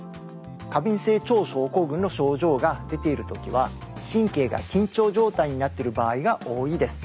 過敏性腸症候群の症状が出ている時は神経が緊張状態になっている場合が多いです。